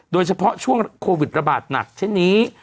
โดยเฉพาะช่วงโควิดระบาดหนักเช่นนี้